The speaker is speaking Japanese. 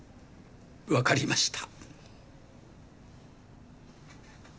わかりました。